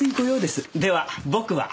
では僕は。